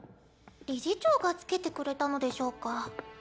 理事長が付けてくれたのでしょうか？